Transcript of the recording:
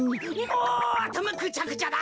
もうあたまぐちゃぐちゃだ。